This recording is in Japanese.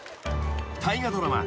［大河ドラマ